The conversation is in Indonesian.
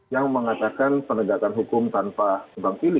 yang mengatakan penegakan hukum tanpa kebangkili